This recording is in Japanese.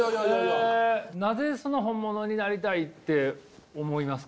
えなぜその本物になりたいって思いますか？